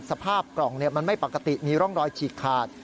สภาพกล่องมันไม่ปกติมีร่องรอยฉีกขาด